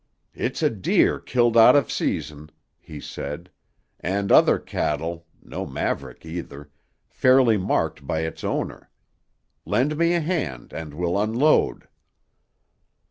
"It's a deer killed out of season," he said, "and other cattle no maverick either fairly marked by its owner. Lend me a hand and we'll unload."